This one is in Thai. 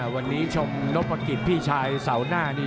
วันนี้ชมนพกิจพี่ชายเสาหน้านี่